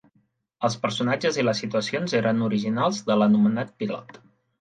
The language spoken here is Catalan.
Els personatges i les situacions eren originals de l'anomenat pilot.